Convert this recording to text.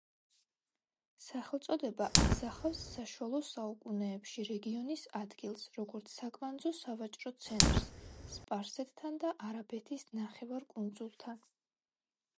სახელწოდება ასახავს საშუალო საუკუნეებში რეგიონის ადგილს, როგორც საკვანძო სავაჭრო ცენტრს სპარსეთთან და არაბეთის ნახევარკუნძულთან.